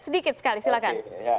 sedikit sekali silakan